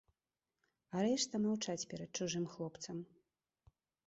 А рэшта маўчаць перад чужым хлопцам.